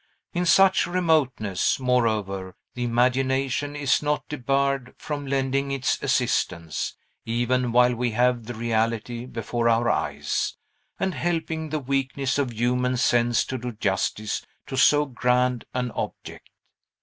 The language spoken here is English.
In such remoteness, moreover, the imagination is not debarred from lending its assistance, even while we have the reality before our eyes, and helping the weakness of human sense to do justice to so grand an object.